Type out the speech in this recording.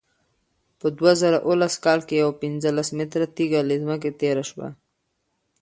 په دوه زره اوولس کال کې یوه پنځلس متره تېږه له ځمکې تېره شوه.